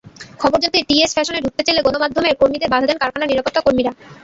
খবর জানতে টিএস ফ্যাশনে ঢুকতে চাইলে গণমাধ্যমের কর্মীদের বাধা দেন কারখানার নিরাপত্তাকর্মীরা।